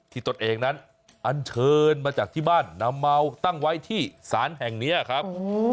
ตนเองนั้นอันเชิญมาจากที่บ้านนำเมาตั้งไว้ที่ศาลแห่งนี้ครับ